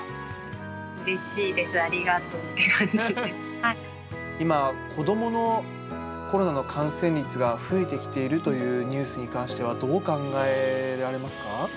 うれしいです、今、子どものコロナの感染率が増えてきているというニュースに関しては、どう考えられますか？